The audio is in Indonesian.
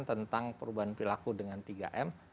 tentang perubahan perilaku dengan tiga m